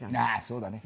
そうだね。